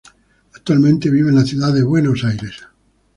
Actualmente vive en la Ciudad de Buenos Aires.